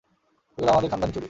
এগুলো আমাদের খানদানি চুড়ি।